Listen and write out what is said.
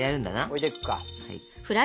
置いていくか。